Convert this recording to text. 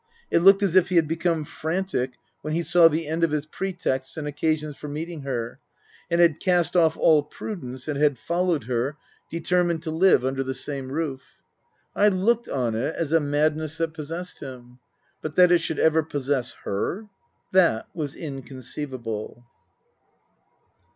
It looked as if he had become frantic when he saw the end of his pretexts and occasions for meeting her, and had cast off all prudence and had followed her, determined to live under the same roof. I looked on it as a madness that possessed him. But that it should ever possess her that was incon ceivable.